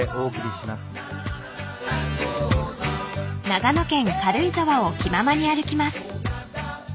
［長野県軽井沢を気ままに歩きます］